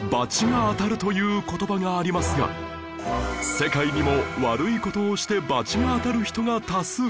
世界にも悪い事をして罰が当たる人が多数